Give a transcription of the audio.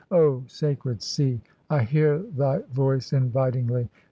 ... Oh, sacred Seal I hear thy voice invitingly.